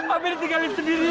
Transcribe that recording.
abi ditinggalin sendirian